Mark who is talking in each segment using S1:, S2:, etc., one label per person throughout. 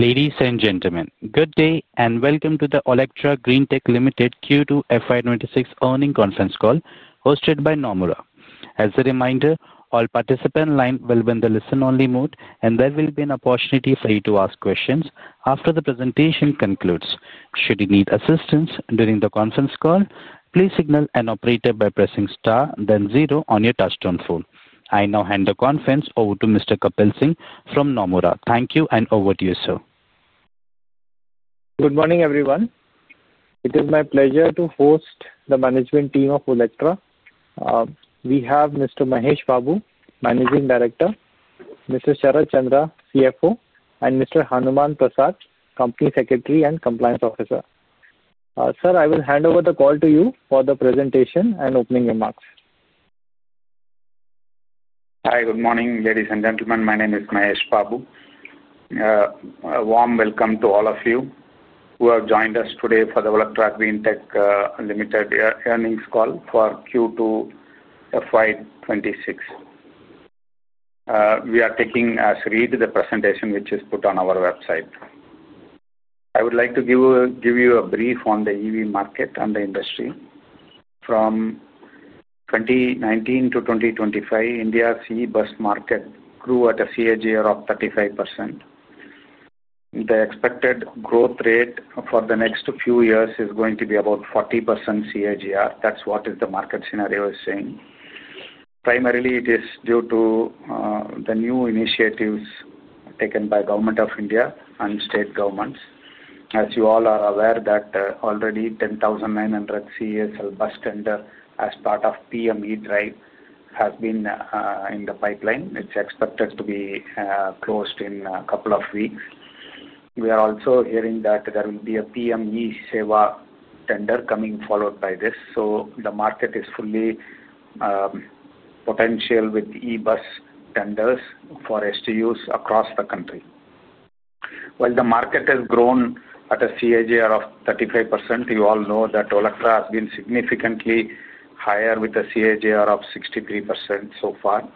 S1: Ladies and gentlemen, good day and welcome to the Olectra Greentech Limited Q2 FY 2026 earnings conference call hosted by Nomura. As a reminder, all participant lines will be in the listen-only mode and there will be an opportunity for you to ask questions after the presentation concludes. Should you need assistance during the conference call, please signal an operator by pressing star then zero on your touchtone phone. I now hand the conference over to Mr. Kapil Singh from Nomura. Thank you. Over to you, sir.
S2: Good morning everyone. It is my pleasure to host the management team of Olectra. We have Mr. Mahesh Babu, Managing Director. Mr. Sharat Chandra, CFO, and Mr. Hanuman Prasad, Company Secretary and Compliance Officer. Sir, I will hand over the call to you for the presentation and opening remarks.
S3: Hi, good morning ladies and gentlemen. My name is Mahesh Babu. A warm welcome to all of you who have joined us today for the Olectra Greentech Limited earnings call for Q2 FY 2026. We are taking as read the presentation which is put on our website. I would like to give you a brief on the EV market and the industry. From 2019 to 2025, India's electric bus market grew at a CAGR of 35%. The expected growth rate for the next few years is going to be about 40% CAGR. That's what the market scenario is saying. Primarily it is due to the new initiatives taken by government of India and State governments. As you all are aware that already 10,900 CESL bus tender as part of PM eDrive has been in the pipeline. It's expected to be closed in a couple of weeks. We are also hearing that there will be a PM eSeva tender coming followed by this. The market is fully potential with electric bus tenders for STUs across the country. While the market has grown at a CAGR of 35%. You all know that Olectra has been significantly higher with a CAGR of 63% so far.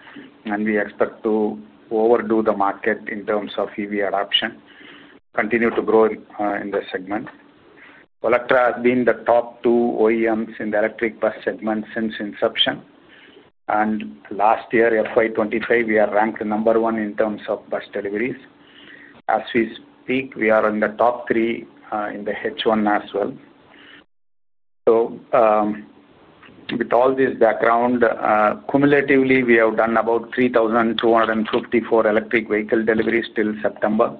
S3: We expect to overdo the market in terms of EV adoption, continue to grow in the segment. Olectra has been the top two OEMs in the electric bus segment since inception, and last year, 2025, we are ranked number one in terms of bus deliveries as we speak. We are in the top three in the first half as well. With all this background, cumulatively we have done about 3,254 electric vehicle deliveries till September,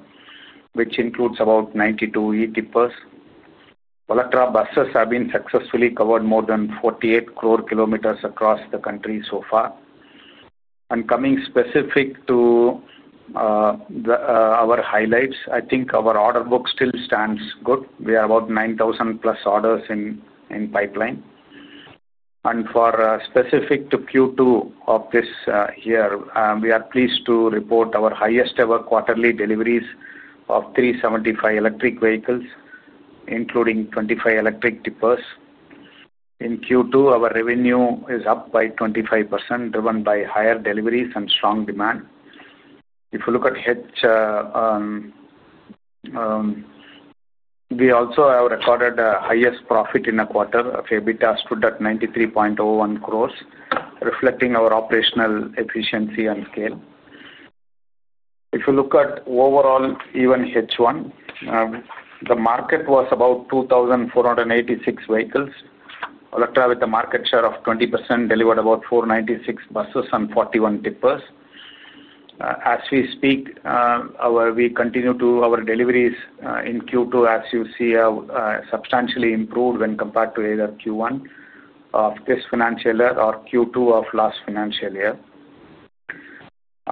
S3: which includes about 92 electric tippers. Olectra buses have successfully covered more than 4.8 billion kilometers across the country so far. Coming specific to our highlights, I think our order book still stands good. We are about 9,000 plus orders in pipeline. For specific to Q2 of this year, we are pleased to report our highest ever quarterly deliveries of 375 electric vehicles, including 25 electric tippers. In Q2 our revenue is up by 25% driven by higher deliveries and strong demand. If you look at hedge. We also have recorded the highest profit in a quarter. EBITDA stood at 93.01 crores reflecting our operational efficiency and scale. If you look at overall even H1 the market was about 2,486 vehicles. Olectra with a market share of 20% delivered about 496 buses and 41 tippers. As we speak, we continue to our deliveries in Q2 as you see substantially improved when compared to either Q1 of this financial year or Q2 of last financial year.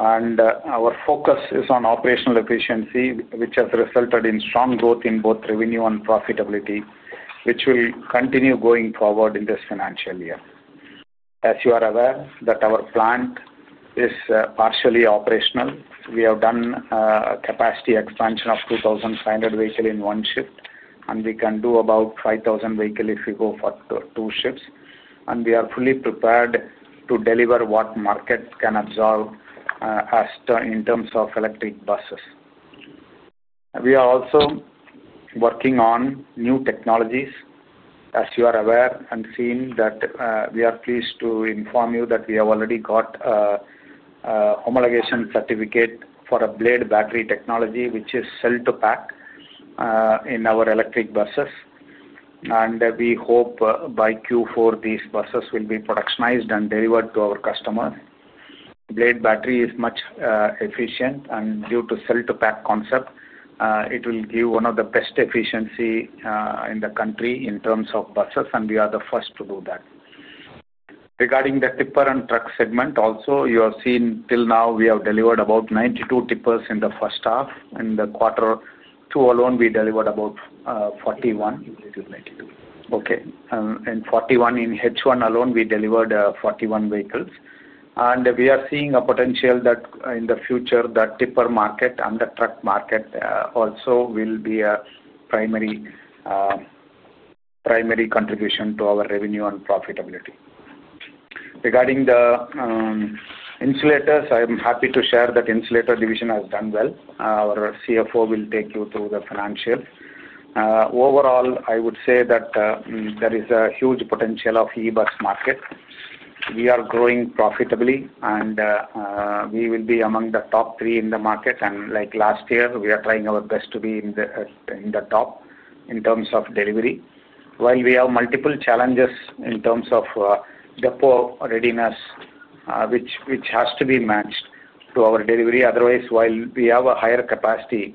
S3: Our focus is on operational efficiency which has resulted in strong growth in both revenue and profitability which will continue going forward in this financial year. As you are aware that our plant is partially operational. We have done a capacity expansion of 2,500 vehicles in one shift and we can do about 5,000 vehicles if we go for two shifts. We are fully prepared to deliver what market can absorb. In terms of electric buses, we are also working on new technologies as you are aware and seen that we are pleased to inform you that we have already got homologation certificate for a blade battery technology which is cell to pack in our electric buses. We hope by Q4 these buses will be productionized and delivered to our customers. Blade battery is much efficient and due to cell to pack concept it will give one of the best efficiency in the country in terms of buses. We are the first to do that. Regarding the tipper and truck segment also you have seen till now we have delivered about 92 tippers in the first half. In the quarter alone we delivered about 41, okay. In H1 alone we delivered 41 vehicles. We are seeing a potential that in the future the tipper market and the truck market also will be a primary contribution to our revenue and profitability. Regarding the insulators, I am happy to share that insulator division has done well. Our CFO will take you through the financials. Overall, I would say that there is a huge potential of ebus market. We are growing profitably and we will be among the top three in the market. Like last year, we are trying our best to be in the top in terms of delivery while we have multiple challenges in terms of depot readiness which has to be matched to our delivery otherwise while we have a higher capacity,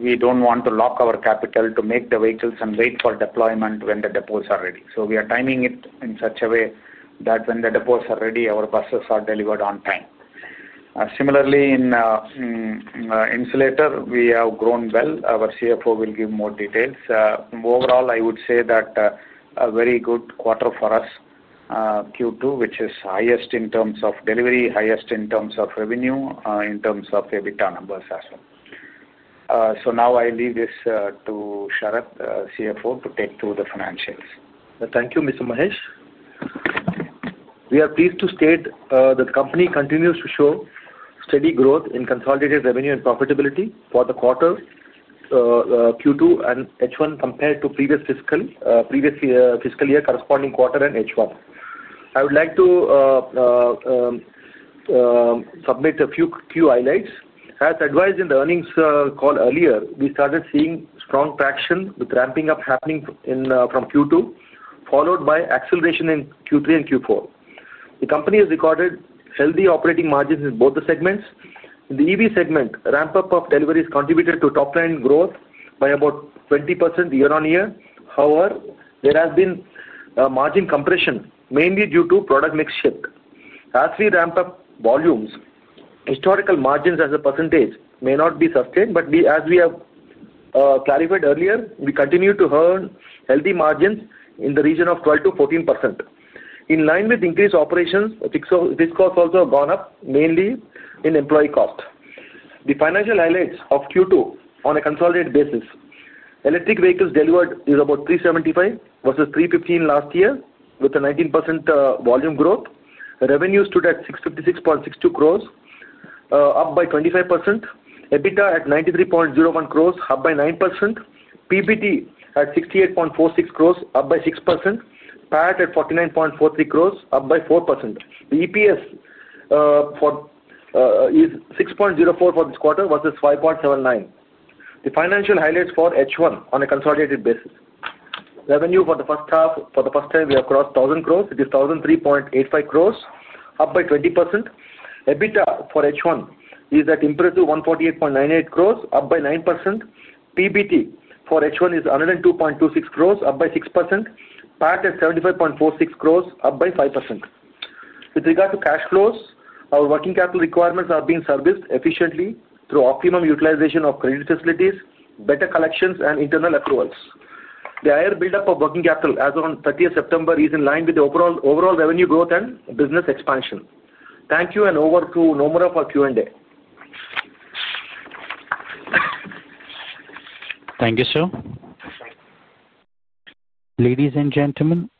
S3: we do not want to lock our capital to make the vehicles and wait for deployment when the depots are ready. We are timing it in such a way that when the depots are ready our buses are delivered on time. Similarly, in insulator we have grown well. Our CFO will give more details. Overall, I would say that a very good quarter for us, Q2, which is highest in terms of delivery, highest in terms of revenue, in terms of EBITDA numbers as well. Now I leave this to Sharat, CFO, to take through the financials.
S4: Thank you Mr. Mahesh. We are pleased to state that the company continues to show steady growth in consolidated revenue and profitability for the quarter Q2 and H1 compared to previous fiscal year, corresponding quarter and H1. I would like to submit a few key highlights. As advised in the earnings call earlier, we started seeing strong traction with ramping up happening from Q2 followed by acceleration in Q3 and Q4. The company has recorded healthy operating margins in both the segments. In the EV segment, ramp up of deliveries contributed to top line growth by about 20% year on year. However, there has been margin compression mainly due to product mix shift as we ramp up volumes. Historical margins as a percentage may not be sustained, but as we have clarified earlier, we continue to earn healthy margins in the region of 12%-14% in line with increased operations. Fixed costs also have gone up mainly in employee cost. The financial highlights of Q2 on a consolidated basis, electric vehicles delivered is about 375 versus 315 last year with a 19% volume growth. Revenue stood at 656.62 crores, up by 25%. EBITDA at 93.01 crores, up by 9%. PBT at 68.46 crores, up by 6%. PAT at 49.43 crores, up by 4%. The EPS is 6.04 for this quarter versus 5.79. The financial highlights for H1 on a consolidated basis, revenue for the first half for the first time we have crossed 1,000 crores. It is 1,003.85 crores, up by 20%. EBITDA for H1 is at impressive 148.98 crores, up by 9%. PBT for H1 is 102.26 crores, up by 6%. PAT at 75.46 crores, up by 5%. With regard to cash flows, our working capital requirements are being serviced efficiently through optimum utilization of credit facilities, better collections, and internal accruals. The higher buildup of working capital as on 30th September is in line with the overall revenue growth and business expansion. Thank you. Over to Nomura for Q and A.
S1: Thank you, sir. Ladies and gentlemen,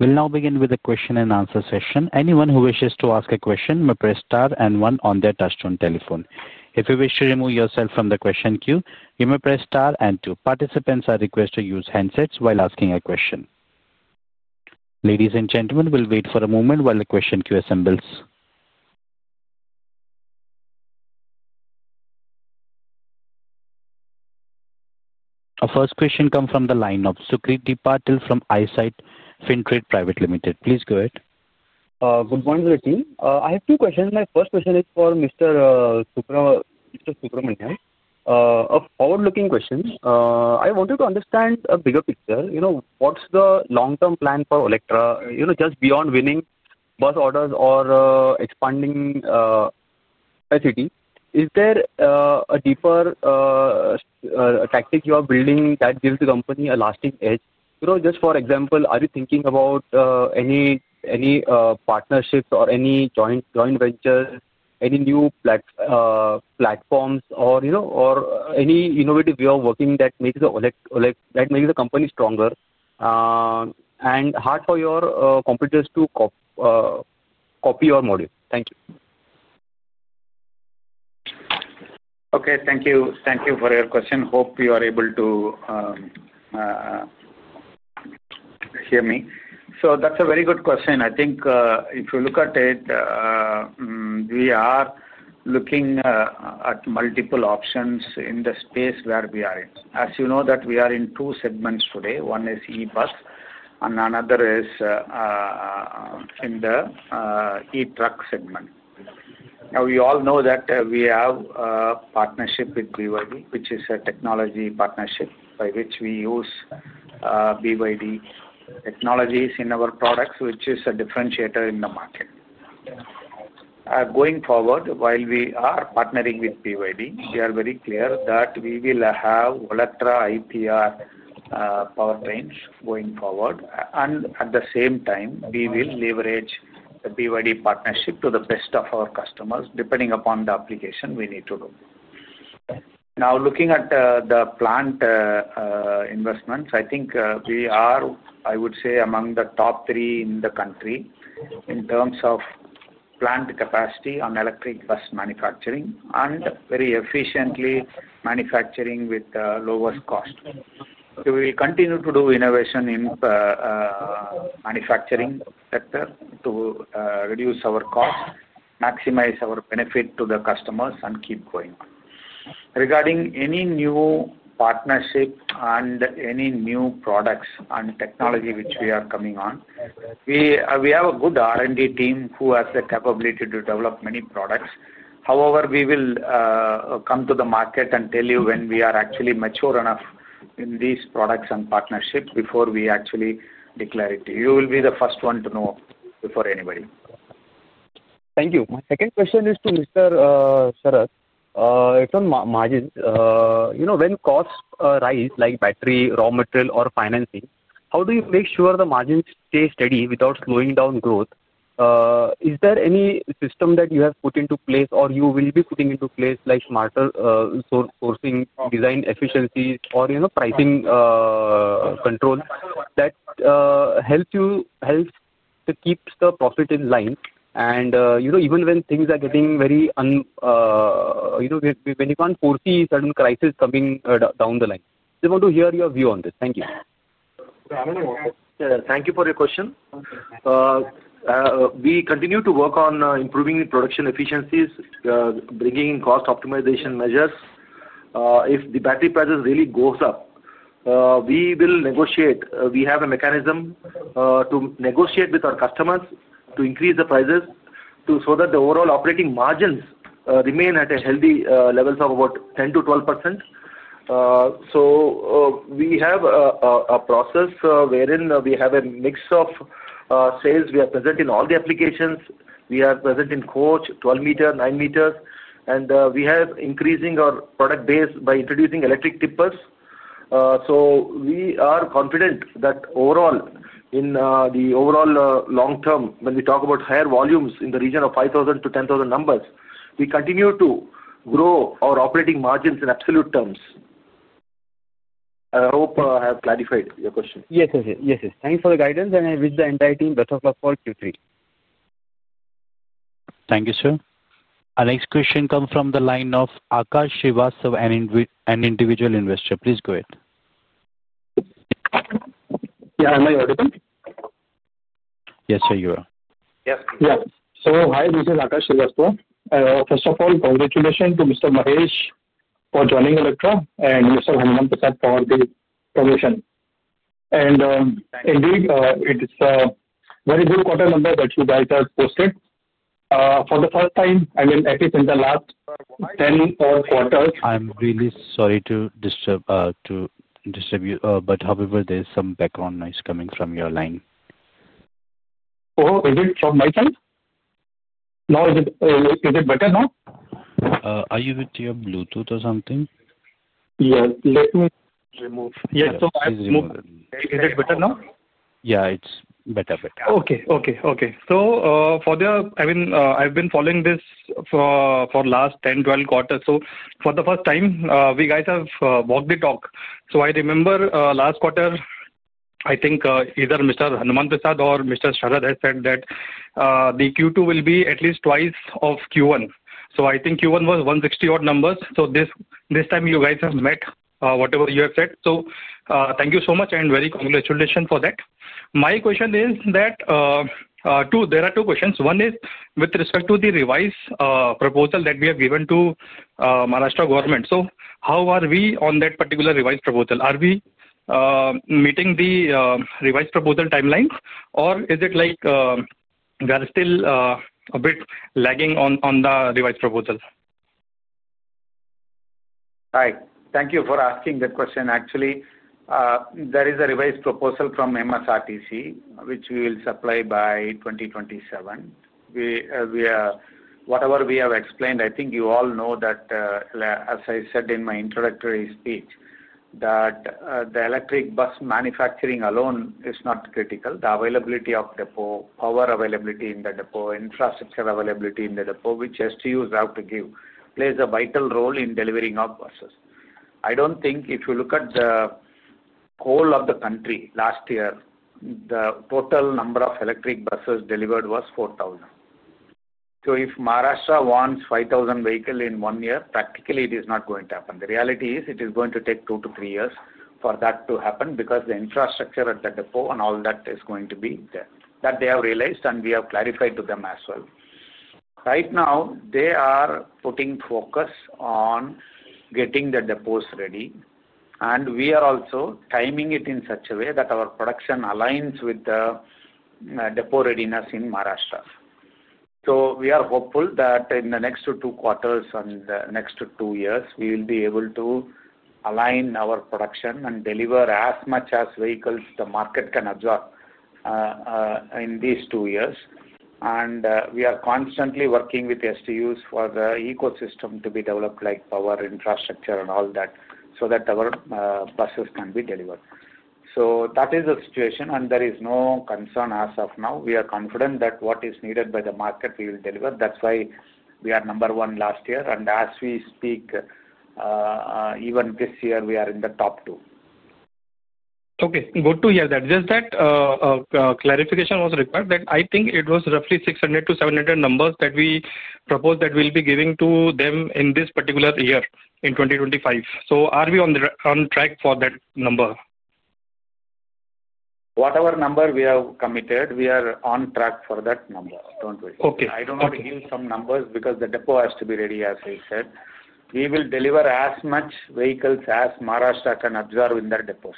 S1: we'll now begin with a question and answer session. Anyone who wishes to ask a question may press star and one on their touchstone telephone. If you wish to remove yourself from the question queue, you may press star and two. Participants are requested to use handsets while asking a question. Ladies and gentlemen, we'll wait for a moment while the question queue assembles. Our first question comes from the line of Sucrit Patil from Eyesight Fintrade Private Limited. Please go ahead.
S5: Good morning to the team. I have two questions. My first question is for Mr. Sharat. Mr. Sharat, a forward looking question. I wanted to understand a bigger picture. You know, what's the long term plan for Olectra? You know, just beyond winning bus orders or expanding, is there a deeper tactic you are building that gives the company a lasting edge? You know, just for example, are you thinking about any partnerships or any joint ventures, any new platforms or, you know, or any innovative way of working that makes the company stronger and hard for your competitors to copy your module. Thank you.
S3: Okay, thank you. Thank you for your question. Hope you are able to hear me. That's a very good question. I think if you look at it, we are looking at multiple options in the space where we are, as you know that we are in two segments today. One is E bus and another is in the E truck segment. Now we all know that we have partnership with BYD, which is a technology partnership by which we use BYD technologies in our products, which is a differentiator in the market going forward. While we are partnering with BYD, they are very clear that we will have Olectra IPRE powertrains going forward. At the same time, we will leverage the BYD partnership to the best of our customers depending upon the application we need to do. Now looking at the plant investments, I think we are, I would say, among the top three in the country in terms of plant capacity on electric bus manufacturing and very efficiently manufacturing with lowest cost. We will continue to do innovation in manufacturing sector to reduce our cost, maximize our benefit to the customers, and keep going. Regarding any new partnership and any new products and technology which we are coming on, we have a good R&D team who has the capability to develop many products. However, we will come to the market and tell you when we are actually mature enough in these products and partnerships before we actually declare it. You will be the first one to know before anybody.
S5: Thank you. My second question is to Mr. Sharat. It's on margin. You know, when costs rise like battery, raw material or financing, how do you make sure the margins stay steady without slowing down growth? Is there any system that you have put into place or you will be putting into place like smarter sourcing, design efficiencies or, you know, pricing control that helps you help to keep the profit in line and, you know, even when things are getting very un, you know, when you can't foresee certain crisis coming down the line. They want to hear your view on this. Thank you.
S4: Thank you for your question. We continue to work on improving production efficiencies, bringing in cost optimization measures. If the battery prices really go up, we will negotiate. We have a mechanism to negotiate with our customers to increase the prices so that the overall operating margins remain at healthy levels of about 10%-12%. We have a process wherein we have a mix of sales. We are present in all the applications, we are present in coach 12 m, 9 m, and we are increasing our product base by introducing electric tippers. We are confident that overall, in the overall long term, when we talk about higher volumes in the region of 5,000-10,000 numbers, we continue to grow our operating margins in absolute terms. I hope I have clarified your question.
S5: Yes, yes. Thanks for the guidance and I wish the entire team best of luck for Q3.
S1: Thank you, sir. Our next question comes from the line of Akash Shivasav, an individual investor. Please go ahead. Yeah. Am I audible? Yes, sir, you are. Yeah. Yeah. So, hi, this is Akash, Sri Lanka. First of all, congratulations to Mr. Mahesh. For joining Olectra and Mr. For the promotion. It is a very good quarter number that you guys have posted for the first time. I mean, at least in the last 10 odd quarters. I'm really sorry to disturb you, but however, there's some background noise coming from your line. Oh, is it from my side? No. Is it better now? Are you with your Bluetooth or something? Yeah, let me remove. Yes. Is it better now? Yeah, it's better, but. Okay. For the, I mean, I've been following this for the last 10-12 quarters. For the first time, we guys have walked the talk. I remember last quarter, I think either Mr. Hanuman Prasad or Mr. Sharat said that Q2 will be at least twice of Q1. I think Q1 was 160 odd numbers. This time you guys have met whatever you have said. Thank you so much and very congratulations for that. My question is that there are two questions. One is with respect to the revised proposal that we have given to Maharashtra government. How are we on that particular revised proposal? Are we meeting the revised proposal timeline or is it like we are still a bit lagging on the revised proposal?
S3: Hi, thank you for asking that question. Actually, there is a revised proposal from MSRTC which we will supply by 2027. Whatever we have explained, I think you all know that as I said in my introductory speech that the electric bus manufacturing alone is not critical. The availability of depot power, availability in the depot, infrastructure availability in the depot which STUs have to give, plays a vital role in delivering outbursts. I don't think if you look at the whole of the country last year the total number of electric buses delivered was 4,000. If Maharashtra wants 5,000 vehicles in one year, practically it is not going to happen. The reality is it is going to take two to three years for that to happen, because the infrastructure at the depot and all that is going to be there. That they have realized and we have clarified to them as well. Right now they are putting focus on getting the depots ready. We are also timing it in such a way that our production aligns with the depot readiness in Maharashtra. We are hopeful that in the next two quarters and next two years we will be able to align our production and deliver as much as vehicles the market can absorb in these two years. We are constantly working with OEMs for the ecosystem to be developed, like power infrastructure and all that, so that our buses can be delivered. That is the situation and there is no concern as of now. We are confident that what is needed by the market we will deliver. That's why we were number one last year and as we speak even this year we are in the top two. Okay, good to hear that. Just that clarification was required that I think it was roughly 600-700 numbers that we propose that we'll be giving to them in this particular year in 2025. Are we on track for that number? Whatever number we have committed, we are on track for that number. Do not worry. Okay. I do not give some numbers because the depot has to be ready as I. We will deliver as much vehicles as Maharashtra can absorb in their depot.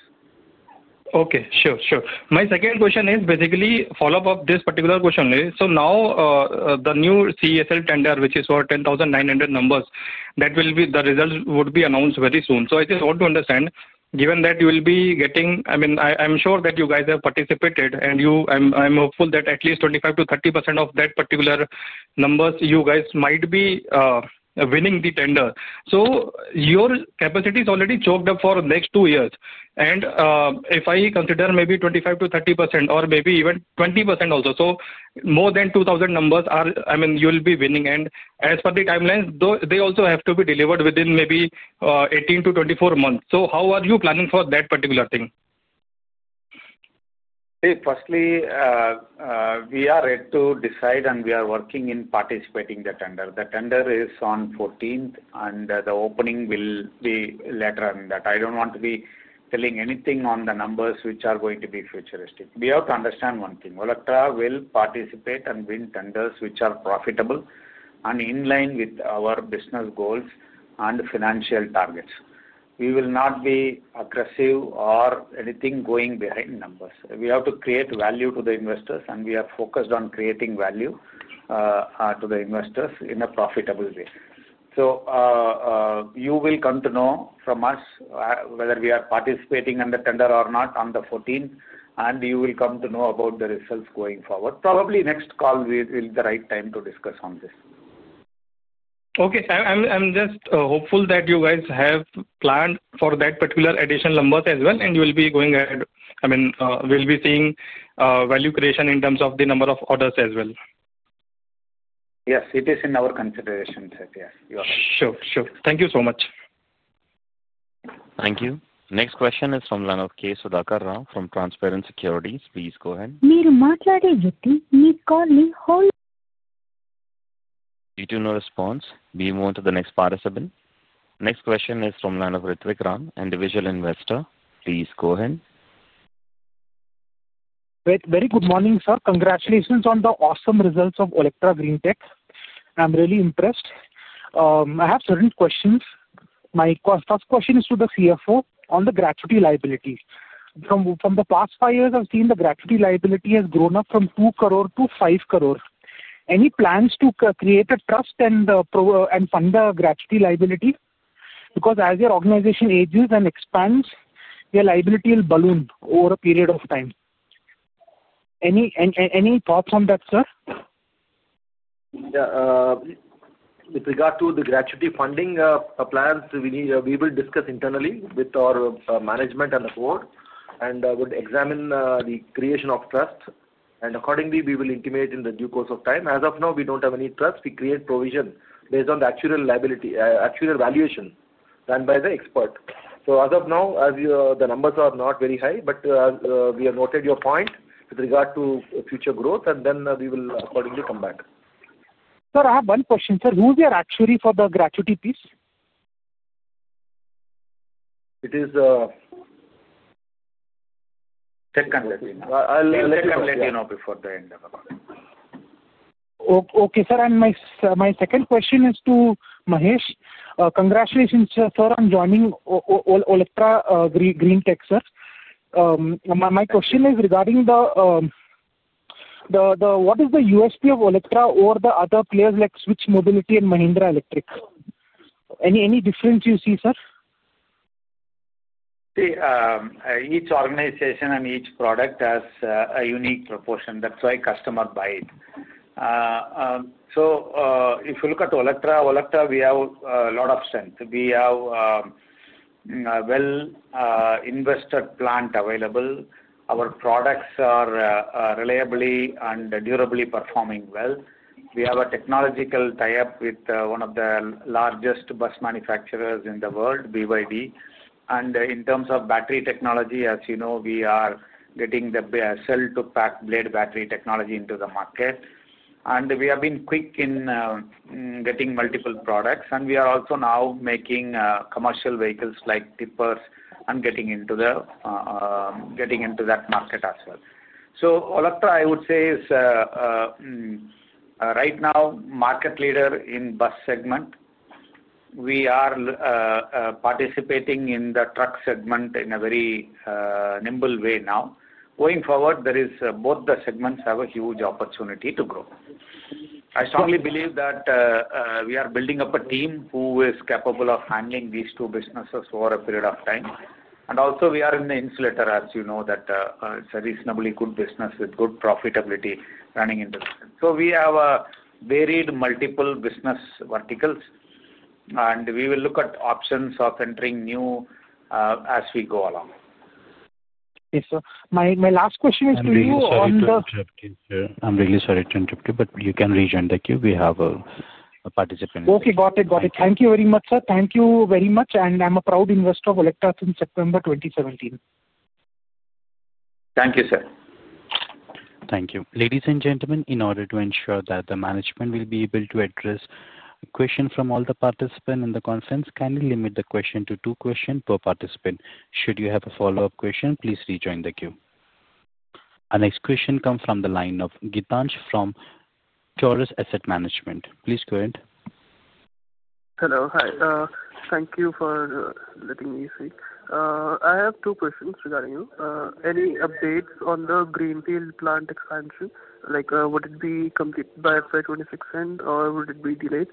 S3: Okay, sure, sure. My second question is basically follow up of this particular question. Now the new CESL tender which is for 10,900 numbers, the result would be announced very soon. I just want to understand, given that you will be getting, I mean I'm sure that you guys have participated and you, I'm, I'm hopeful that at least 25%-30% of that particular numbers, you guys might be winning the tender. Your capacity is already choked up for next two years. If I consider maybe 25%-30% or maybe even 20% also, more than 2,000 numbers are, I mean you will be winning. As for the timelines though, they also have to be delivered within maybe 18-24 months. How are you planning for that particular thing? Firstly, we are ready to decide and we are working in participating the tender. The tender is on 14th and the opening will be later on that. I do not want to be telling anything on the numbers which are going to be futuristic. We have to understand one thing. Olectra will participate and win tenders which are profitable and in line with our business goals and financial targets. We will not be aggressive or anything going behind numbers. We have to create value to the investors and we are focused on creating value to the investors in a profitable way. You will come to know from us whether we are participating under tender or not on the 14th, and you will come to know about the results going forward. Probably next call the right time to discuss on this. Okay. I'm just hopeful that you guys have planned for that particular additional numbers as well and you will be going ahead. I mean we'll be seeing value creation in terms of the number of orders as well. Yes, it is in our consideration. Sure, sure. Thank you so much.
S1: Thank you. Next question is from Transparent Securities. Please go ahead. Due to no response, we move on to the next participant. Next question is from line of Ritvik Ram. Individual investor. Please go ahead. Very good morning, sir. Congratulations on the awesome results of Olectra Greentech. I'm really impressed. I have certain questions. My first question is to the CFO on the gratuity liabilities. From the past five years, I've seen the gratuity liability has grown up from 2 crore to 5 crore. Any plans to create a trust and fund the gratuity liability? Because as your organization ages and expands, the liability will balloon over a period of time. Any. Any thoughts on that? Sir.
S4: With regard to the gratuity funding appliance, we need we will discuss internally with our management and the board and would examine the creation of trust and accordingly we will intimate in the due course of time. As of now we do not have any trust. We create provision based on the actual liability, actual valuation then by the expert. As of now as you the numbers are not very high. We have noted your point with regard to future growth. We will accordingly come back. Sir, I have one question. Sir. Who's your actuary for the gratuity piece? It is. Before the end. Okay sir. And my second question is to Mahesh. Congratulations sir on joining Olectra Greentech. My question is regarding the. What is the USP of Olectra or the other players like Switch Mobility and Mahindra Electric. Any difference? You see, sir.
S3: Each organization and each product has a unique proportion. That's why customers buy it. If you look at Olectra, Olectra, we have a lot of sense. We have a well-invested plant available. Our products are reliably and durably performing well. We have a technological tie-up with one of the largest bus manufacturers in the world, BYD. In terms of battery technology, as you know, we are getting the cell to pack blade battery technology into the market. We have been quick in getting multiple products and we are also now making commercial vehicles like tippers and getting into that market as well. Olectra I would say is. Right now market leader in bus segment. We are participating in the truck segment in a very nimble way. Now going forward there is both the segments have a huge opportunity to grow. I strongly believe that we are building up a team who is capable of handling these two businesses over a period of time. We are in the insulator as you know that it's a reasonably good business with good profitability running into. We have varied multiple business verticals and we will look at options of entering new as we go along. My last question is to you.
S1: I'm really sorry to interrupt you, but you can rejoin the queue, participants. Okay, got it. Thank you very much, sir. Thank you very much. And I'm a proud investor of Olectra since September 2017.
S3: Thank you sir.
S1: Thank you. Ladies and gentlemen, in order to ensure that the management will be able to address questions from all the participants in the conference, kindly limit the questions to two questions per participant. Should you have a follow-up question, please rejoin the queue. Our next question comes from the line of Gitansh from Asset Management. Please go ahead. Hello. Hi. Thank you for letting me see. I have two questions regarding you. Any updates on the greenfield plant expansion? Like would it be completed by FY 2026 and or would it be delayed?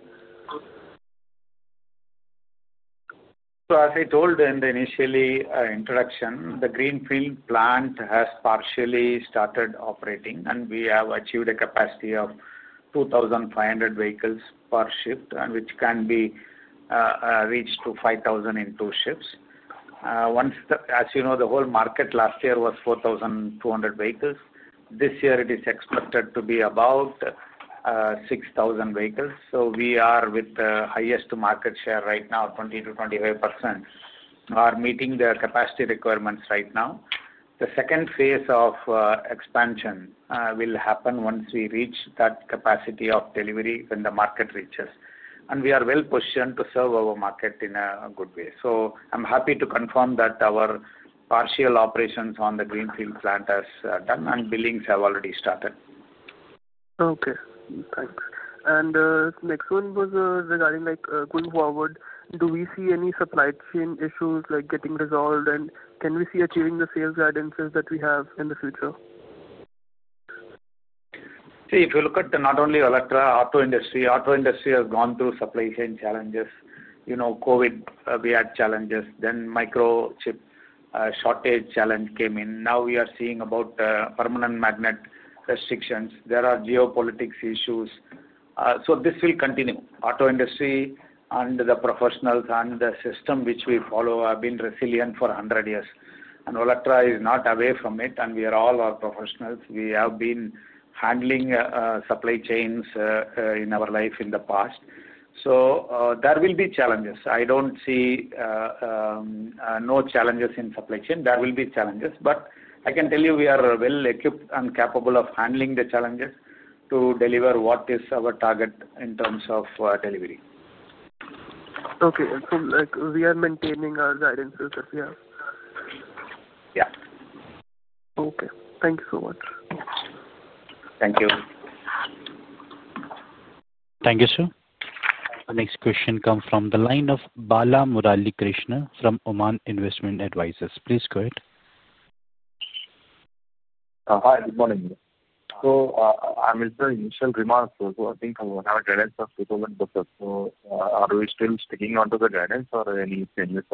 S3: As I told in the initial introduction, the greenfield plant has partially started operating and we have achieved a capacity of 2,500 vehicles per shift, which can be reached to 5,000 in two shifts. As you know, the whole market last year was 4,200 vehicles. This year it is expected to be about 6,000 vehicles. We are with the highest market share right now. 20%-25% are meeting the capacity requirements right now. The second phase of exposure expansion will happen once we reach that capacity of delivery when the market reaches and we are well positioned to serve our market in a good way. I am happy to confirm that our partial operations on the greenfield plant has done and billings have already started. Okay, thanks. The next one was regarding like going forward, do we see any supply chain issues like getting resolved and can we see achieving the sales guidances that we have in the future? See if you look at not only Olectra, auto industry, auto industry has gone through supply chain challenges. You know Covid, we had challenges. Then microchip shortage challenge came in. Now we are seeing about permanent magnet restrictions. There are geopolitics issues. This will continue. Auto industry and the professionals and the system which we follow have been resilient for 100 years. Olectra is not away from it. All our professionals, we have been handling supply chains in our life in the past. There will be challenges. I do not see no challenges in supply chain. There will be challenges but I can tell you we are well equipped and capable of handling the challenges to deliver. What is our target in terms of delivery? Okay. We are maintaining our guidances. Yeah. Okay. Thank you so much. Thank you.
S1: Thank you sir. Next question comes from the line of Bala Murali Krishna from Oman Investment Advisors. Please go ahead. Hi, good morning. I miss the initial remarks. I think I will have a guidance. Are we still sticking onto the guidance or any changes?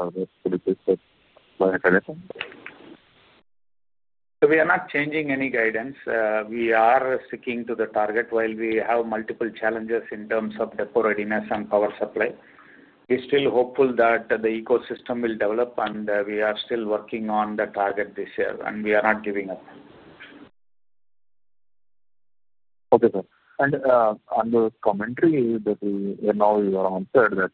S3: We are not changing any guidance. We are sticking to the target. While we have multiple challenges in terms of depot readiness and power supply, we are still hopeful that the ecosystem will develop and we are still working on the target this year and we are not giving up. Okay sir. On the commentary that now you have answered,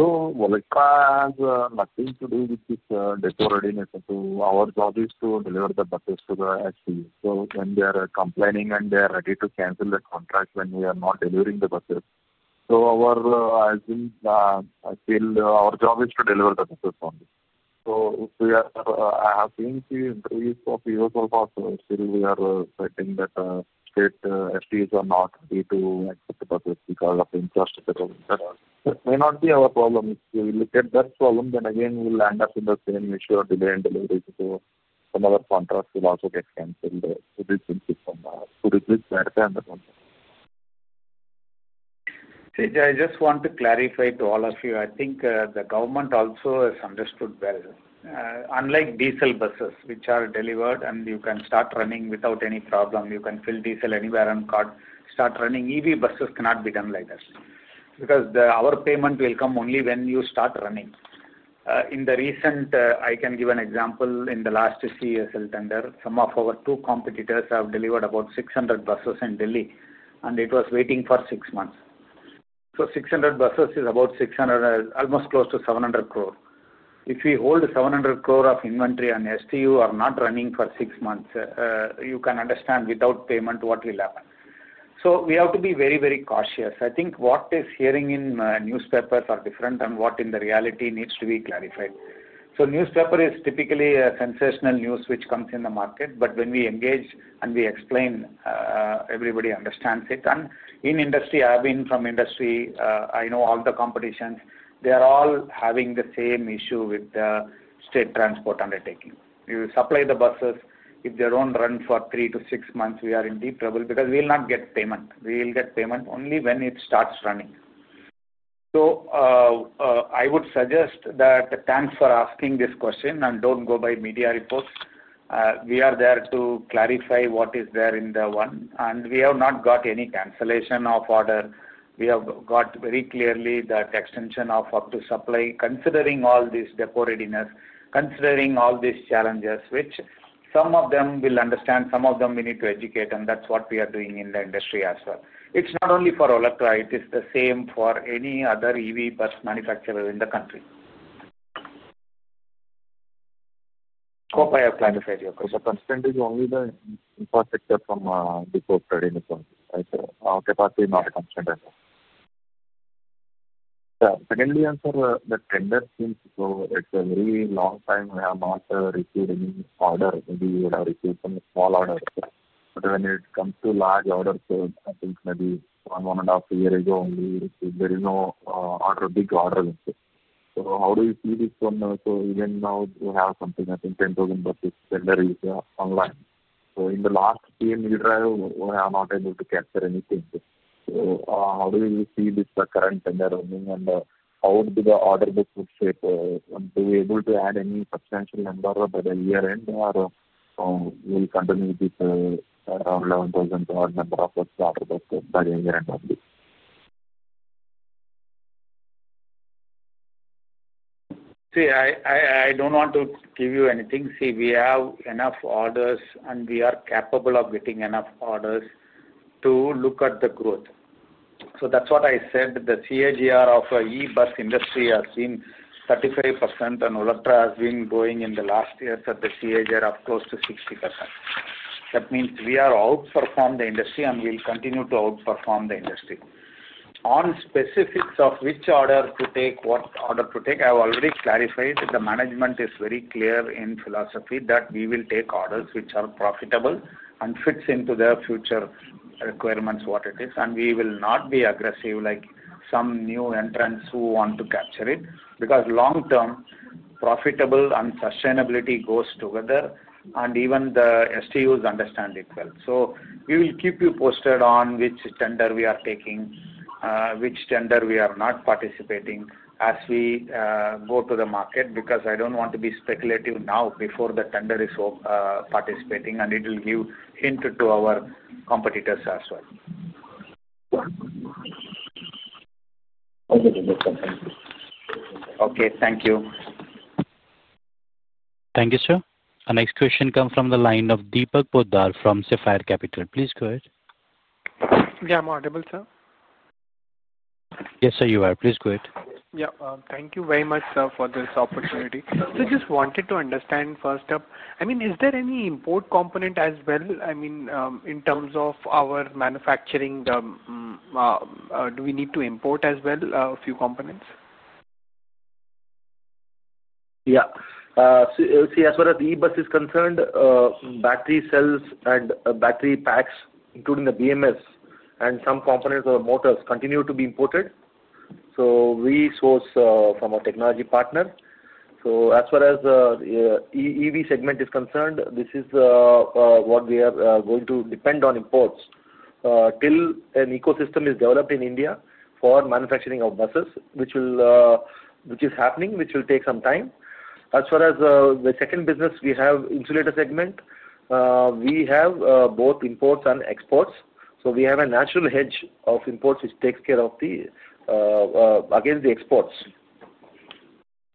S3: that has nothing to do with this depot readiness. Our job is to deliver the buses to the SKU. When they are complaining and they are ready to cancel the contract when we are not delivering the buses, I feel our job is to deliver the buses only. We are saying that state SDs are not due to because of interest. That may not be our problem. If we look at that problem then. Again we'll end up in the same issue. Some other contracts will also get cancelled. I just want to clarify to all of you. I think the government also has understood well, unlike diesel buses which are delivered and you can start running without any problem. You can fill diesel anywhere on card, start running. EV buses cannot be done like this because our payment will come only when you start running. In the recent, I can give an example. In the last CESL tender, some of our two competitors have delivered about 600 buses in Delhi, and it was waiting for six months. So 600 buses is about 600. Almost close to 700 crore. If we hold 700 crore of inventory on STU or not running for six months, you can understand without payment what will happen. We have to be very, very cautious. I think what is hearing in newspapers are different. What in the reality needs to be clarified. Newspaper is typically a sensational news which comes in the market. When we engage and we explain, everybody understands it. In industry, I have been from industry. I know all the competitions. They are all having the same issue with the state transport undertaking. You supply the buses. If they do not run for three to six months, we are in deep trouble. Because we will not get payment. We will get payment only when it starts running. I would suggest that thanks for asking this question and do not go by media reports. We are there to clarify what is there in the one. We have not got any cancellation of order. We have got very clearly that extension of up to supply. Considering all these depot readiness, considering all these challenges which some of them will understand, some of them we need to educate. That is what we are doing in the industry as well. It is not only for Olectra. It is the same for any other EV bus manufacturer in the country. The constraint is only the infrastructure from before trading. Secondly, answer the tender since so it's a very long time we have not received any order. Maybe we would have received some small order. But when it comes to large orders, I think maybe one and a half years ago there is no auto big order. How do you see this one? Even now we have something, I think 10,000 online. In the last PM eDrive we are not able to capture anything. How do you see this current tender only? How would the order book shape to be able to add any substantial number by the year end or will continue this around 11,000 odd number of. See, I don't want to give you anything. See, we have enough orders and we are capable of getting enough orders to look at the growth. That's what I said. The CAGR of E bus industry has been 35% and Olectra has been going in the last year. So the CAGR of close to 60%. That means we are outperformed the industry and we'll continue to outperform the industry on specifics of which order to take. What order to take. I've already clarified. The management is very clear in philosophy that we will take orders which are profitable and fit into their future requirements, what it is. We will not be aggressive like some new entrants who want to capture it because long-term profitability and sustainability go together, and even the STUs understand it well. We will keep you posted on which tender we are taking, which tender we are not participating as we go to the market. I do not want to be speculative now before the tender is participating, and it will give a hint to our competitors as well. Okay, thank you.
S1: Thank you sir. Our next question comes from the line of Deepak Poddar from Sapphire Capital. Please go ahead.
S6: Yeah, I'm audible, sir.
S1: Yes sir, you are. Please go ahead.
S6: Yeah, thank you very much sir for this opportunity. Just wanted to understand first up, I mean is there any import component as well? I mean in terms of our manufacturing, do we need to import as well a few components?
S4: Yeah. See, as far as the E bus is concerned, battery cells and battery packs including the BMS and some components or motors continue to be imported. We source from our technology partner. As far as the EV segment is concerned, this is what we are going to depend on imports. Till an ecosystem is developed in India for manufacturing of buses, which is happening, which will take some time. As far as the second business, we have insulator segment. We have both imports and exports. We have a natural hedge of imports which takes care of the against the exports.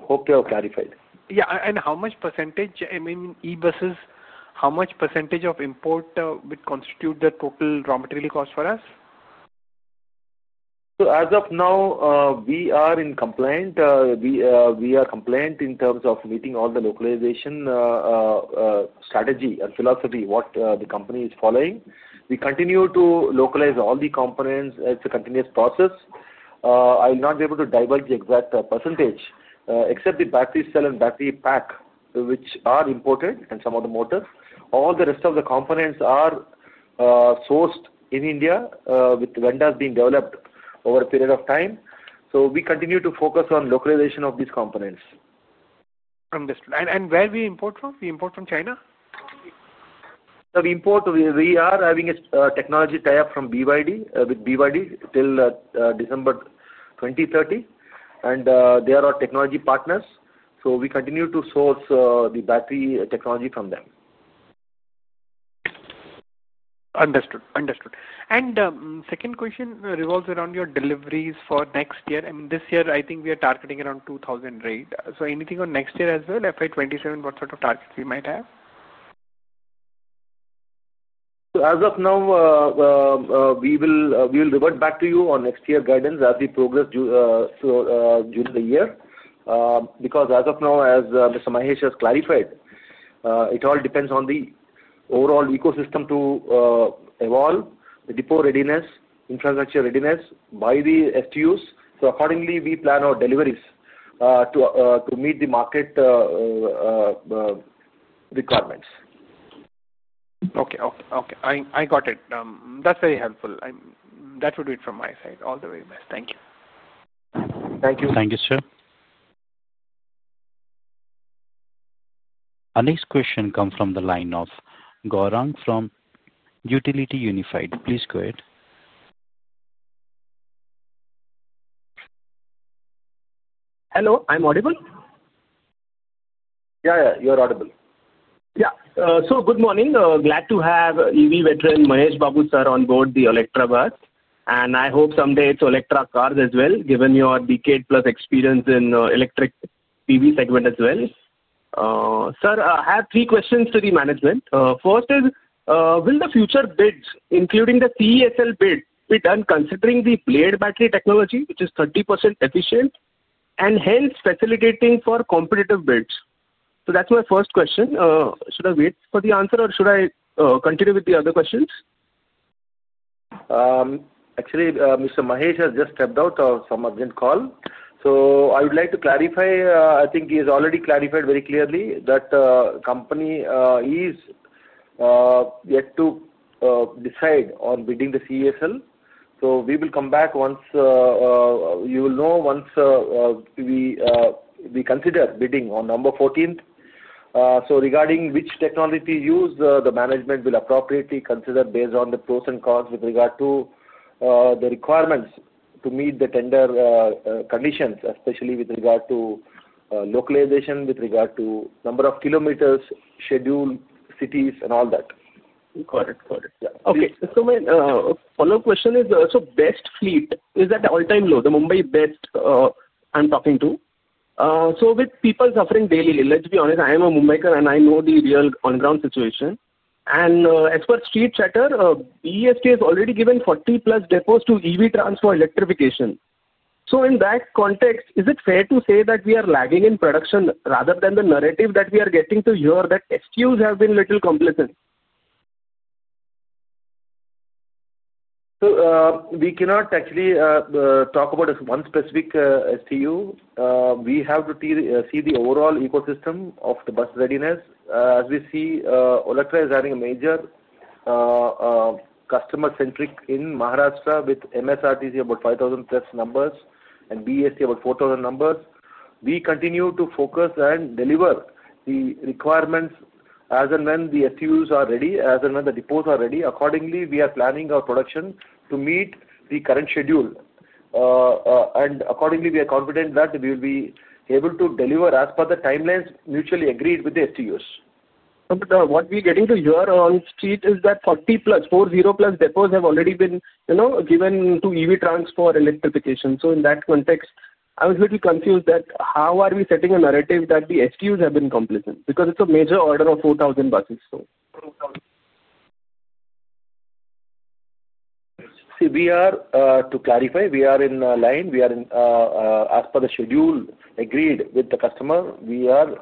S4: Hope you have clarified.
S6: Yeah. How much percentage, I mean E buses, how much % of import would constitute the total raw material cost for us?
S4: As of now we are compliant. We are compliant in terms of meeting all the localization strategy and philosophy that the company is following. We continue to localize all the components. It is a continuous process. I will not be able to divulge the exact percentage except the battery cell and battery pack which are imported and some of the motors, all the rest of the components are sourced in India with vendors being developed over a period of time. We continue to focus on localization of these components.
S6: We import from China.
S4: We are having a technology tie-up from BYD with BYD till December 2030. They are our technology partners. We continue to source the battery technology from them.
S6: Understood. The second question revolves around your deliveries for next year. This year I think we are targeting around 2,008. Anything on next year as well. FY 2027, what sort of target we might have.
S4: As of now. We will revert back to you on next year guidance as we progress during the year. Because as of now as Mr. Mahesh has clarified it all depends on the overall ecosystem to evolve the depot readiness, infrastructure readiness by the STUs. So accordingly we plan our deliveries to meet the market requirements.
S6: Okay, I got it. That's very helpful. That would be from my side all the way. Thank you.
S3: Thank you, sir.
S1: Our next question comes from the line of Gaurang from Utility Unified. Please go ahead. Hello. I'm audible.
S4: Yeah, you're audible. Yeah. Good morning. Glad to have EV veteran Mahesh Babu sir on board the Electrobus. I hope someday it's Electra cars as well, given your decade plus experience in electric PV segment as well. Sir, I have three questions to the management. First is will the future bids including the CESL bid be done considering the blade battery technology which is 30% efficient and hence facilitating for competitive bids. So that's my first question. Should I wait for the answer or should I continue with the other questions? Actually, Mr. Mahesh has just stepped out for some urgent call. I would like to clarify. I think he has already clarified very clearly that company is yet to decide on bidding the CESL. We will come back once. You will know once we consider bidding on number four, 14th. Regarding which technology to use, the management will appropriately consider based on the pros and cons with regard to the requirements to meet the tender conditions, especially with regard to localization, with regard to number of kilometers, schedule, cities, and all that. Okay, my follow-up question is, BEST fleet is at all-time low, the Mumbai BEST. With people suffering daily. Let's be honest. I am a Mumbaikar and I know the real on ground situation. Expert street shutter BEST has already given 40 plus depots to EV transfer electrification. In that context is it fair to say that we are lagging in. Production rather than the narrative that we. Are getting to hear that SKUs have been little complicit. So we cannot actually talk about one specific stu, we have to see the overall ecosystem of the bus readiness. As we see Olectra is having a major customer centric in Maharashtra with MSRTC about 5,000 test numbers and BEST about 4,000 numbers. We continue to focus and deliver the requirements as and when the SUs are ready, as and when the depots are ready. Accordingly, we are planning our production to meet the current schedule and accordingly we are confident that we will be able to deliver as per the timelines mutually agreed with the SUs. What we are getting to hear on. Street is that 40 plus 40 plus depots have already been given to EV TRANS for electrification. In that context, I was a little confused that how are we setting a narrative that the STUs have been complicit because it is a major order of 4,000 buses. So. See, to clarify, we are in line. We are in as per the schedule agreed with the customer. We are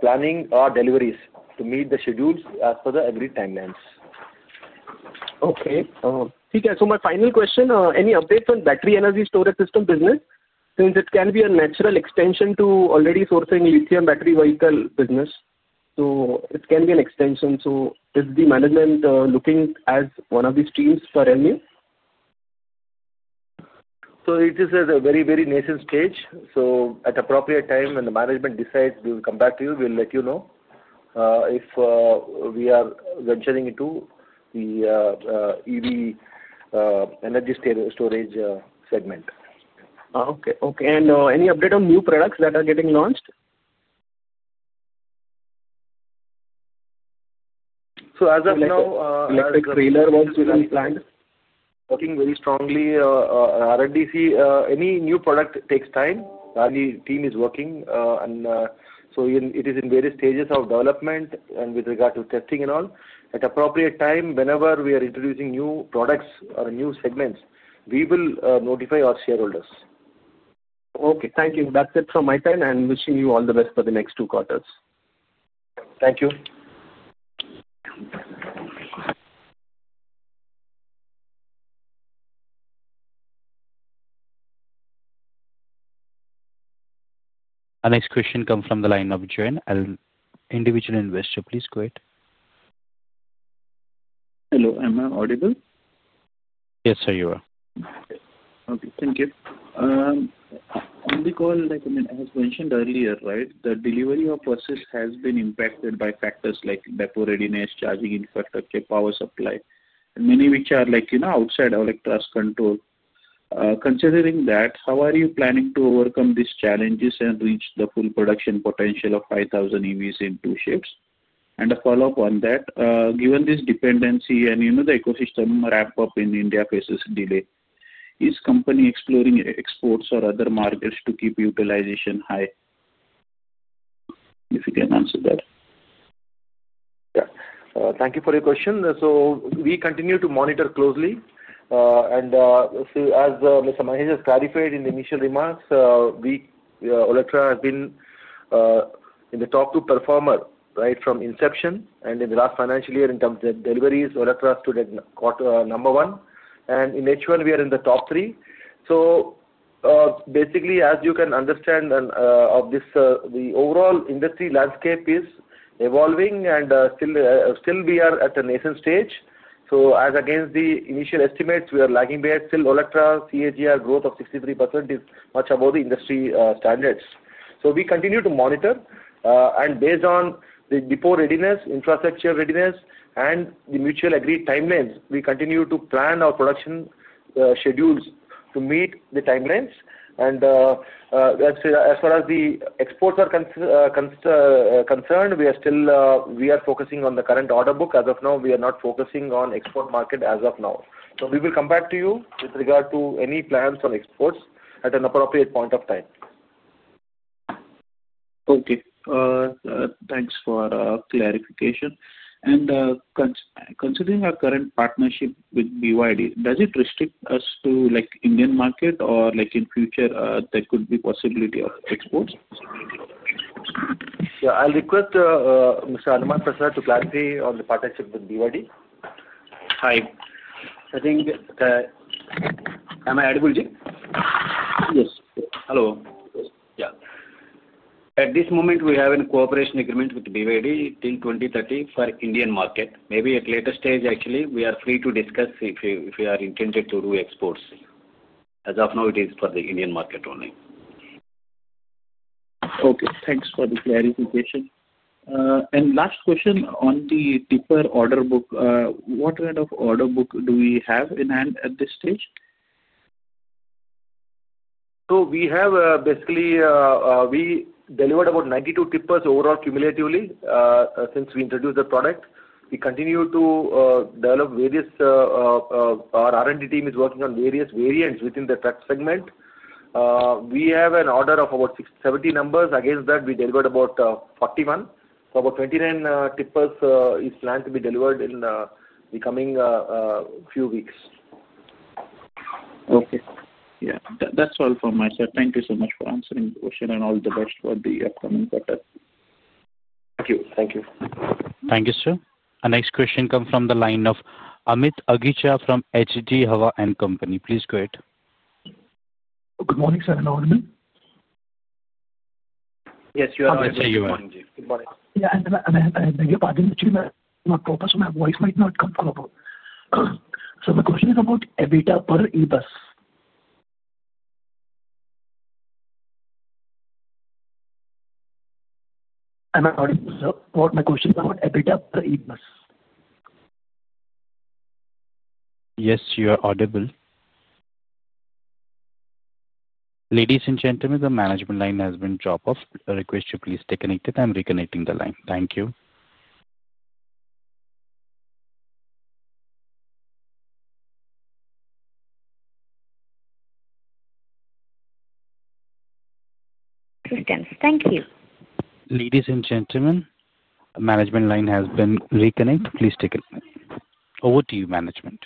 S4: planning our deliveries to meet the schedules as per the agreed timelines. Okay, so my final question. Any updates on battery energy storage system business? Since it can be a natural extension to already sourcing lithium battery vehicle business. It can be an extension. Is the management looking as one of these themes for EV? It is a very, very nascent stage. At appropriate time when the management decides, we will come back to you, we will let you know if we are venturing into the EV energy storage segment. Okay. Okay. Any update on new products that are getting launched?
S7: As of now, working very strongly R&D. Any new product takes time. Rally team is working and so it is in various stages of development, and with regard to testing and all, at appropriate time, whenever we are introducing new products or new segments, we will notify our shareholders. Okay, thank you. That's it from my time and wishing you all the best for the next two quarters. Thank you.
S1: Our next question comes from the line of joint individual investor. Please go ahead. Hello. Am I audible? Yes sir, you are. Okay, thank you. As mentioned earlier, right. The delivery of buses has been impacted by factors like depot readiness, charging, infrastructure, power supply, and many which are, like, you know, outside of Olectra's control. Considering that, how are you planning to overcome these challenges and reach the full production potential of 5,000 EVs in two shifts? And a follow-up on that, given this dependency and, you know, the ecosystem ramp-up in India faces delay, is company exploring exports or other markets to keep utilization high? If you can answer that.
S4: Thank you for your question. We continue to monitor closely and as Mr. Mahesh has clarified in the initial remarks, Olectra has been in the top two performers right from inception. In the last financial year in terms of deliveries, Olectra stood at quarter number one. In H1 we are in the top three. Basically, as you can understand from this, the overall industry landscape is evolving and still we are at a nascent stage. As against the initial estimates, we are lagging a bit still. Olectra CAGR growth of 63% is much above the industry standards. We continue to monitor and based on the depot readiness, infrastructure readiness, and the mutually agreed timelines, we continue to plan our production schedules to meet the timelines. As far as the exports are concerned, we are still, we are focusing on the current order book as of now. We are not focusing on export market as of now. We will come back to you with regard to any plans on exports at an appropriate point of time. Okay, thanks for clarification. Considering our current partnership with BYD, does it restrict us to, like, Indian market or, like, in future there could be possibility of exports? Yeah, I'll request Mr. Hanuman Prasad to gladly on the partnership with BYD.
S7: Hi, I think. Am I audible?
S4: Yes.
S7: Hello. Yeah, at this moment we have a cooperation agreement with BYD till 2030 for Indian market. Maybe at later stage actually we are free to discuss if you are intended to do exports as of now, it is for the Indian market only. Okay, thanks for the clarification. Last question on the deeper order book, what kind of order book do we have in hand at this stage?
S4: We have basically delivered about 92 tippers overall. Cumulatively since we introduced the product, we continue to develop various. Our R and D team is working on various variants within the truck segment. We have an order of about 670 numbers. Against that we delivered about 41. About 29 tippers is planned to be delivered in the coming few weeks. Okay. Yeah, that's all from my side. Thank you so much for answering the question. All the best for the upcoming quarter.
S2: Thank you. Thank you.
S1: Thank you, sir. Our next question comes from the line of Amit Agicha from HG Hawa and Company. Please go ahead.
S8: Good morning, sir. Nomura.
S4: Yes, you are.
S8: My voice might not come from. So the question is about EBITDA per e-bus. What? My question is about EBITDA per EPS.
S1: Yes, you are audible. Ladies and gentlemen, the management line has been dropped off. Request you please stay connected. I'm reconnecting the line. Thank you. Thank you, ladies and gentlemen, management line has been reconnected. Please take it over to you, management.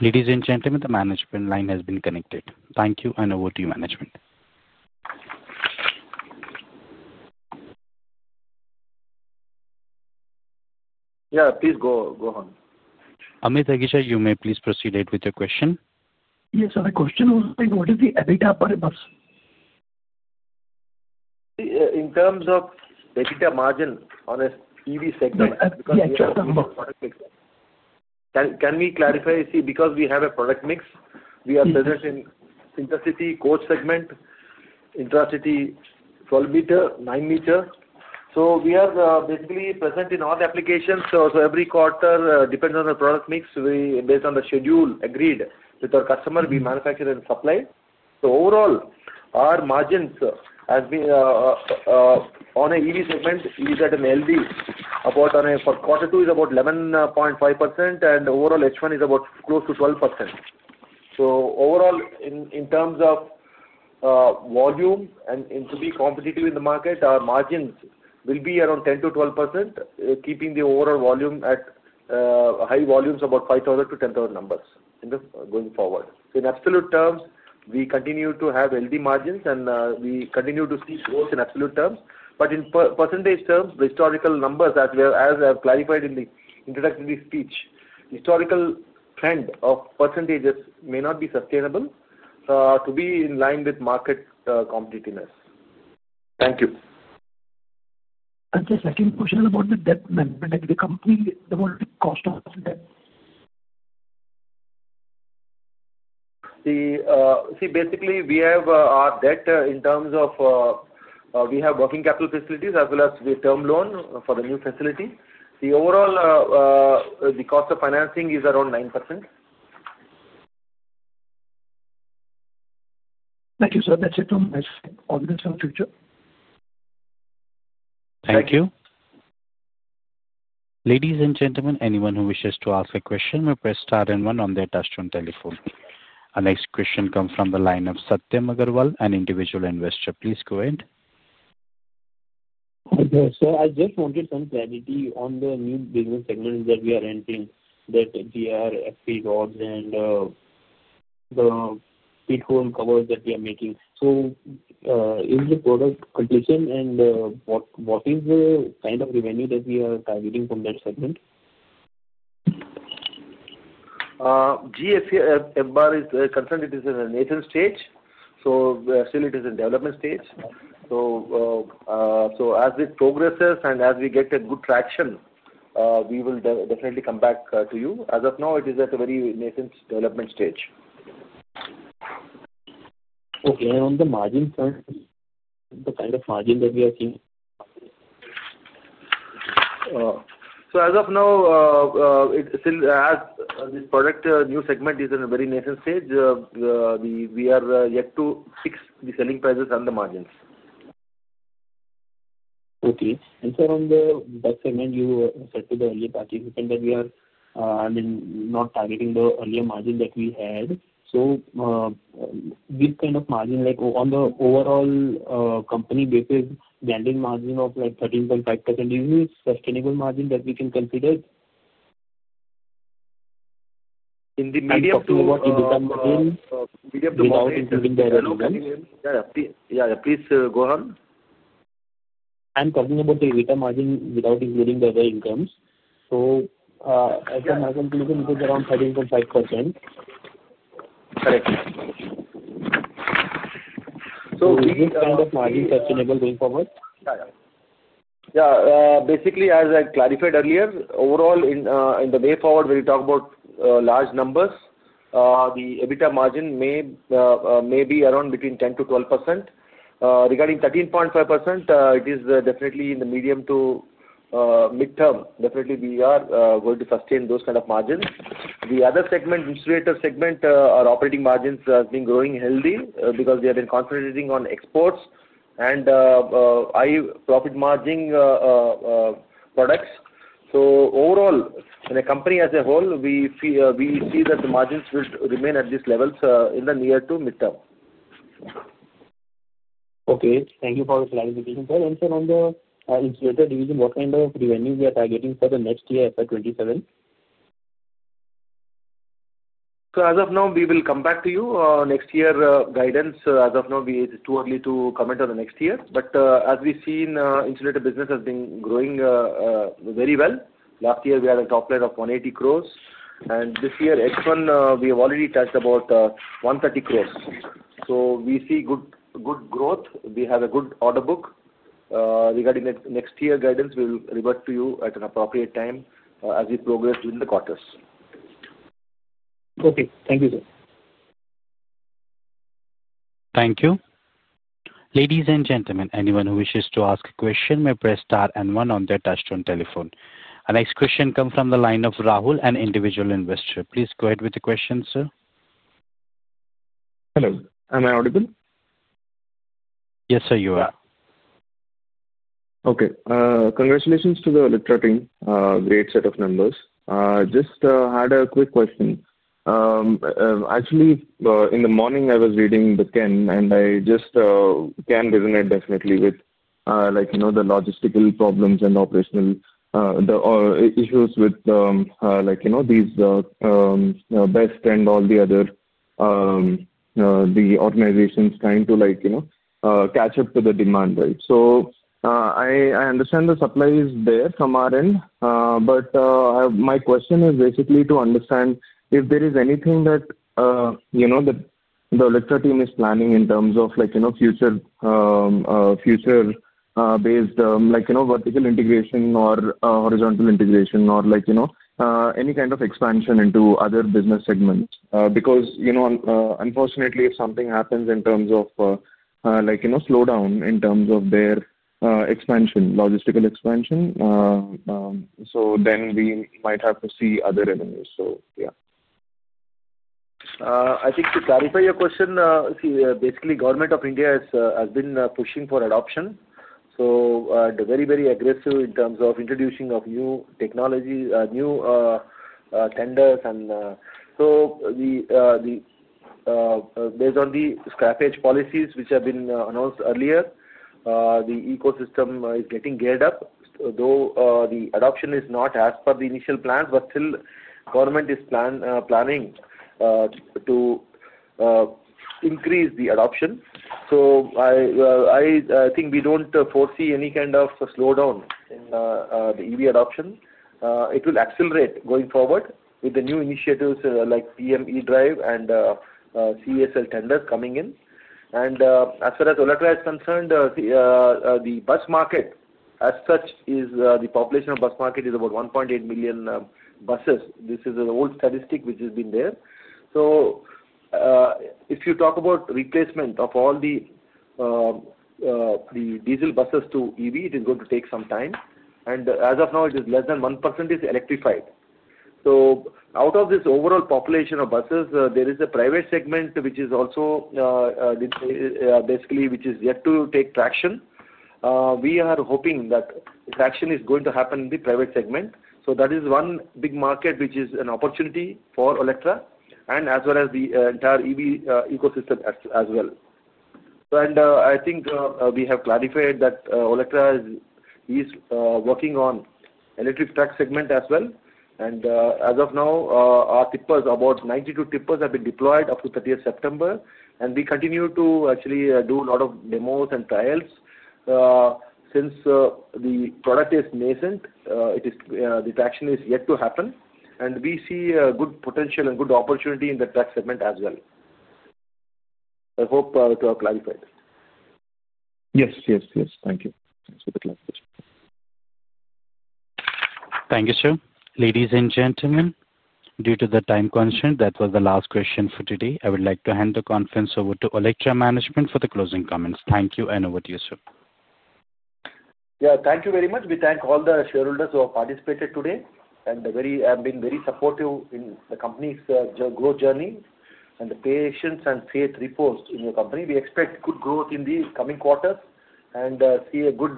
S1: Ladies and gentlemen, the management line has been connected. Thank you. And over to you, management.
S4: Yeah, please go on.
S1: Amit Agisha, you may please proceed with your question.
S8: Yes, so the question was what is the EBITDA
S4: In terms of EBITDA margin on a PV sector? Can we clarify? See because we have a product mix, we are present in intra city coach segment, intra city 12 m, 9 m. We are basically present in all applications. Every quote depends on the product mix based on the schedule agreed with our customer, we manufacture and supply. Overall our margins on the EV segment is at an LD about for quarter two is about 11.5% and overall H1 is about close to 12%. Overall in terms of volume and to be competitive in the market, our margin will be around 10-12% keeping the overall volume at high volumes about 5,000-10,000 numbers going forward, in absolute terms we continue to have LD margins and we continue to see growth in absolute terms. In percentage terms, the historical numbers, as I have clarified in the introductory speech, historical trend of percentages may not be sustainable to be in line with market competitiveness. Thank you.
S8: The second question about the debt, cost of debt.
S4: See basically we have our debt in terms of we have working capital facilities as well as the term loan for the new facility. Overall, the cost of financing is around 9%.
S8: Thank you sir. That's it.
S1: Thank you. Ladies and gentlemen, anyone who wishes to ask a question, please press star and one on their touch-tone telephone. Our next question comes from the line of Satya Magarwal, an individual investor. Please go ahead. I just wanted some clarity on the new business segments that we are entering. That GFRP rods and the bitcoin covers that we are making. Is the product completion and what, what is the kind of revenue that we are targeting from that segment? GFRP rods is concerned, it is in a nascent stage. Still it is in development stage. As it progresses and as we get a good tracking, we will definitely come back to you. As of now it is at a very nascent development stage.
S4: Okay. On the margin front, the kind of margin that we are seeing. As of now, as this product new segment is in a very nascent stage, we are yet to fix the selling prices and the margins. Okay. You said to the earlier participant that we are, I mean, not targeting the earlier margin that we had. This kind of margin, like on the overall company basis, the ending margin of like 13.5% units, sustainable margin that we can consider in the media. Including the—yeah, please go on. I'm talking about the return margin without including the other incomes. So. Around 13.5%. Correct. Is this kind of margin sustainable going forward? Yeah, basically as I clarified earlier, overall in the way forward, when you talk about large numbers, the EBITDA margin may be around between 10-12%. Regarding 13.5%, it is definitely in the medium to midterm. Definitely we are going to sustain those kind of margins. The other segment, insulator segment, our operating margins have been growing healthy because we have been concentrating on exports and profit margin products. Overall, in a company as a whole, we feel, we see that the margins will remain at these levels in the near to midterm. Okay, thank you for the clarification, sir. Sir, on the insulator division, what kind of revenue are we targeting for the next year, for 2027? As of now, we will come back to you next year with guidance. As of now it's too early to comment on the next year but as we said, insulator business has been growing very well. Last year we had a top line of 180 crores. And this year H1 we have already touched about 130 crores. We see good growth. We have a good order book. Regarding the next year guidance, we will revert to you at an appropriate time as we progress within the quarters. Okay, thank you sir.
S1: Thank you. Ladies and gentlemen, anyone who wishes to ask a question may press star and one on their touch-tone telephone. Our next question comes from the line of Rahul, an individual investor. Please go ahead with the question, sir. Hello. Am I audible? Yes sir, you are. Okay. Congratulations to the Olectra, great set of numbers. Just had a quick question, actually in the morning I was reading The Ken and I just can resonate definitely with, like, you know, the logistical problems and operational issues with, like, you know, these BEST and all the other organizations trying to, like, you know, catch up to the demand right. I understand the supply is there from our end. My question is basically to understand if there is anything that you know that the Olectra team is planning in terms of, like, you know, future-based, like, you know, vertical integration or horizontal integration or, like, you know, any kind of expansion into other business segments. Because, you know, unfortunately, if something happens in terms of, like, you know, slowdown in terms of their expansion, logistical expansion. Then we might have to see other revenues so yeah.
S4: I think to clarify your question, basically Government of India has been pushing for adoption, so very, very aggressive in terms of introducing new technology, new tenders, and so based on the scrappage policies which have been announced earlier, the ecosystem is getting geared up. Though the adoption is not as per the initial plan, still Government is planning to increase the adoption. I think we do not foresee any kind of slowdown in the EV adoption. It will accelerate going forward with the new initiatives like PM eDrive and CESL tender coming in. As far as Olectra is concerned, the bus market as such is, the population of bus market is about 1.8 million buses. This is an old statistic which has been there. If you talk about replacement of all the diesel buses to EV, it is going to take some time and as of now it is less than 1% is electrified. Out of this overall population of buses there is a private segment which is also basically which is yet to take traction. We are hoping that traction is going to happen in the private segment. That is one big market which is an opportunity for Olectra and as well as the entire EV ecosystem as well. I think we have clarified that Olectra is working on electric truck segment as well. As of now our tippers, about 92 tippers have been deployed up to the 30th of September and we continue to actually do a lot of demos and trials since the product is nascent, the traction is yet to happen and we see good potential and good opportunity in the truck segment as well. I hope to apply for it. Yes, yes, yes.
S1: Thank you. Thank you sir. Ladies and gentlemen, due to the time constraint that was the last question for today. I would like to hand the conference over to Olectra management for the closing comments. Thank you. Over to you sir.
S7: Yeah, thank you very much. We thank all the shareholders who have participated today and have been very supportive in the company's growth journey and the patience and faith reposed in your company. We expect good growth in these coming quarters and see a good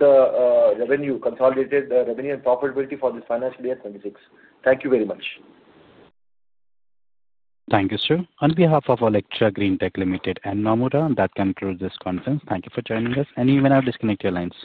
S7: consolidated revenue and profitability for this financial year 2026. Thank you very much.
S1: Thank you sir. On behalf of Olectra Greentech Limited and Nomura. That concludes this conference. Thank you for joining us and you may now disconnect your lines.